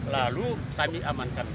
lalu kami amankan